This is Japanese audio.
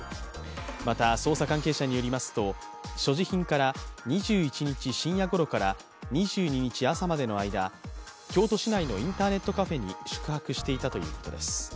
また、捜査関係者によりますと所持品から２１日深夜ごろから２２日朝までの間、京都市内のインターネットカフェに宿泊していたということです。